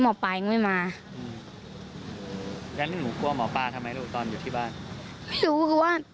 เมื่อเมื่อไม่มาแดงหนูกล้อหมอปราทำไมตอนอยู่ที่บ้าน